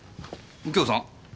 右京さん？